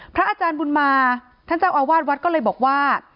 พระอาจารย์บุญมาท่านเจ้าอาวาสวัดก็เลยบอกว่า